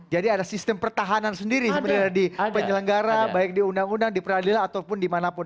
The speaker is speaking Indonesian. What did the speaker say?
jadi ada sistem pertahanan sendiri sebenarnya di penyelenggara baik di undang undang di peradilan ataupun di mana pun